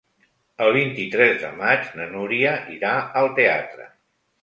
El vint-i-tres de maig na Núria irà al teatre.